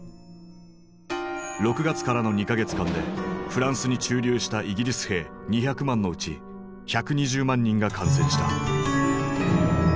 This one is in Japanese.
６月からの２か月間でフランスに駐留したイギリス兵２００万のうち１２０万人が感染した。